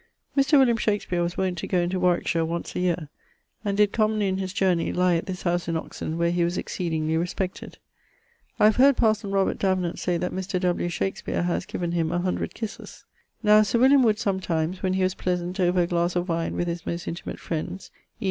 Mr. William Shakespeare was wont to goe into Warwickshire once a yeare, and did commonly in his journey lye at this house in Oxon. where he was exceedingly respected. [I have heard parson Robert say that Mr. W. Shakespeare haz given him a hundred kisses.] Now Sir William would sometimes, when he was pleasant over a glasse of wine with his most intimate friends e.